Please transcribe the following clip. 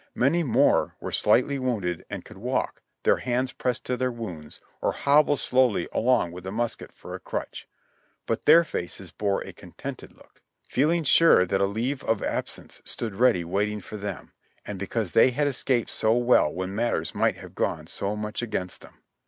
Many more were slightly wounded and could walk, their hands pressed to their wounds, or hobble slowly along with a musket for a crutch ; but their faces bore a contented look, feeling sure that a leave of absence stood ready waiting for them, and because they had escaped so well vrhen matters might have gone so much against them.